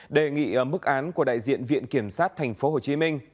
đề nghị mức án của đại diện viện kiểm sát tp hcm